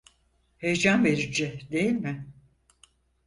Heyecan verici, değil mi?